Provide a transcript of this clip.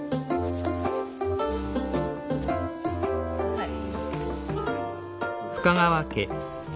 はい。